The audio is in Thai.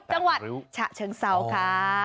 จังหวัดฉะเชิงเซาค่ะ